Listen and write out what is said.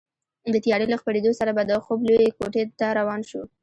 د تیارې له خپرېدو سره به د خوب لویې کوټې ته روان شوو.